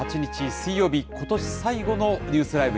水曜日、ことし最後のニュースＬＩＶＥ！